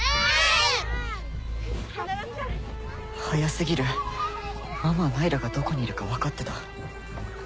早すぎるママはナイラがどこにいるか分かってた。